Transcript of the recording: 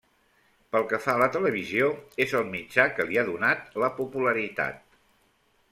Pel que fa a la televisió, és el mitjà que li ha donat la popularitat.